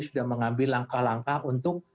sudah mengambil langkah langkah untuk